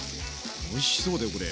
おいしそうだよこれ。